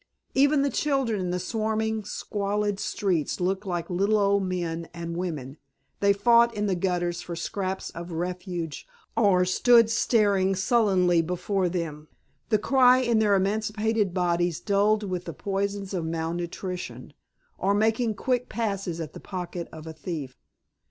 Even the children in the swarming squalid streets looked like little old men and women; they fought in the gutters for scraps of refuse, or stood staring sullenly before them, the cry in their emaciated bodies dulled with the poisons of malnutrition; or making quick passes at the pocket of a thief.